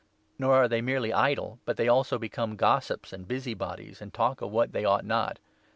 Nor are they merely idle, but they also become gossips and busy bodies, and talk of what they ought not.